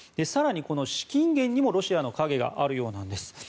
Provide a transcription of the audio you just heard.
更に、資金源にもロシアの影があるようなんです。